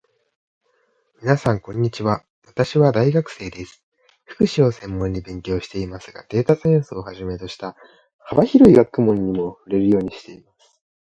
みなさん、こんにちは。私は大学生です。福祉を専門に勉強していますが、データサイエンスをはじめとした幅広い学問にも触れるようにしています。